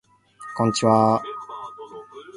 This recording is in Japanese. こんちはー